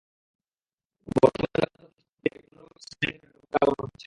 বর্তমানে নয়জন অতিথি শিক্ষক দিয়ে কোনো রকমে শ্রেণির কার্যক্রম চালানো হচ্ছে।